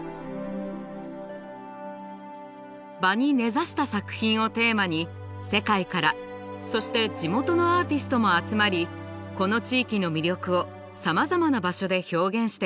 「場に根ざした作品」をテーマに世界からそして地元のアーティストも集まりこの地域の魅力をさまざまな場所で表現しています。